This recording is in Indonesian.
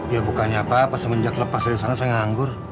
ya bukannya apa pas semenjak lepas dari sana saya nganggur